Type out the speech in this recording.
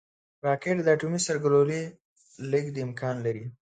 راکټ د اټومي سرګلولې لیږد امکان لري